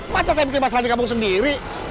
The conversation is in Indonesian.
masa saya bikin masalah di kampung sendiri